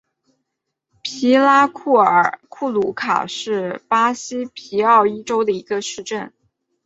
皮拉库鲁卡是巴西皮奥伊州的一个市镇。